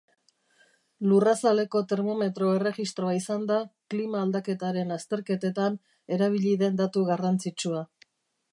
Lurrazaleko termometro-erregistroa izan da klima-aldaketaren azterketetan erabili den datu garrantzitsua.